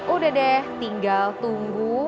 udah deh tinggal tunggu